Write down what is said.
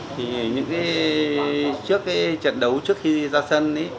thì những cái trước cái trận đấu trước khi ra sân ấy